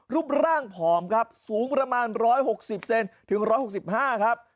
รูปร่างผอมครับสูงประมาณ๑๖๐เซนถึง๑๖๕ครับ